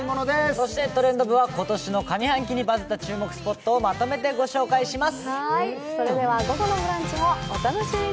そして「トレンド部」は今年の上半期にバズった注目スポットをまとめてご紹介します。